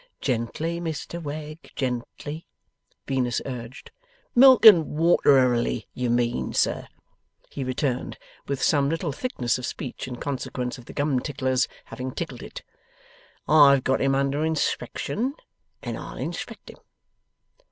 'Gently, Mr Wegg, gently,' Venus urged. 'Milk and water erily you mean, sir,' he returned, with some little thickness of speech, in consequence of the Gum Ticklers having tickled it. 'I've got him under inspection, and I'll inspect him.